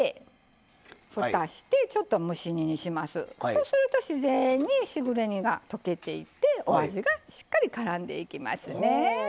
そうすると自然にしぐれ煮が溶けていってお味がしっかりからんでいきますね。